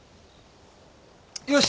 よし！